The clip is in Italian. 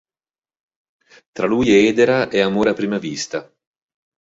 Tra lui e Edera è amore a prima vista.